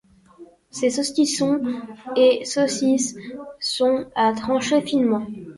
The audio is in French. Ces saucissons et saucisses sont à trancher finement.